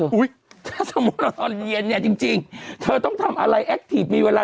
ถ้าสมมุติเราตอนเรียนเนี่ยจริงเธอต้องทำอะไรแอคทีฟมีเวลา